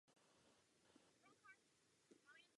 V Bayonne se vlévá do Adouru.